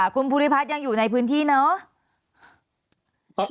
คุณภูริพัฒน์ยังอยู่ในพื้นที่เนาะ